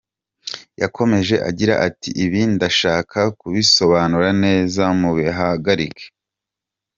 Yakomeje agira ati “Ibi ndashaka kubisobanura neza, mubihagarike.